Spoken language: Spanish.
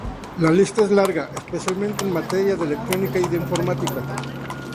La lista es larga, especialmente en materia de electrónica y de informática.